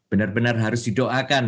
benar benar harus didoakan